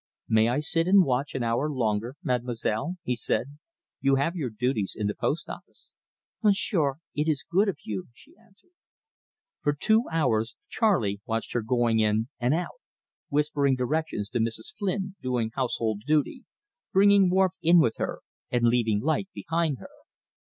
"May I sit and watch for an hour longer, Mademoiselle?" he said. "You will have your duties in the post office." "Monsieur it is good of you," she answered. For two hours Charley watched her going in and out, whispering directions to Mrs. Flynn, doing household duty, bringing warmth in with her, and leaving light behind her.